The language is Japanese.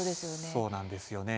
そうなんですよね。